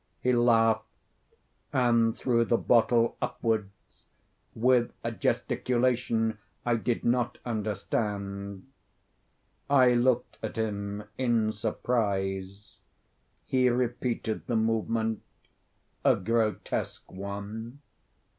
He laughed and threw the bottle upwards with a gesticulation I did not understand. I looked at him in surprise. He repeated the movement—a grotesque one.